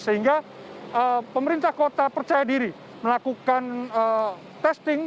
sehingga pemerintah kota percaya diri melakukan testing